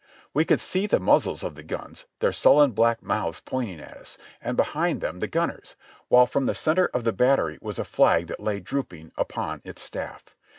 We could see the muzzles of the guns, their sullen black mouths pointing at us, and behind them the gunners, while from the center of the battery was a flag that lay drooping upon its staff.